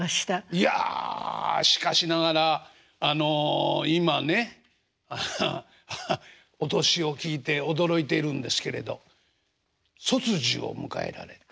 いやしかしながらあの今ねハハッお年を聞いて驚いているんですけれど卒寿を迎えられて。